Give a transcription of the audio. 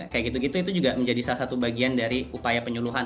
kayak gitu gitu itu juga menjadi salah satu bagian dari upaya penyuluhan